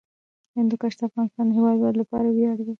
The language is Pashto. هندوکش د افغانستان د هیوادوالو لپاره ویاړ دی.